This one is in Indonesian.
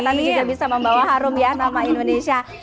nanti juga bisa membawa harum ya nama indonesia